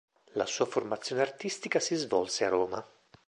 La sua formazione artistica si svolse a Roma.